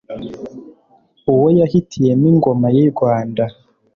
uwo yahitiyemo ingoma y'i rwanda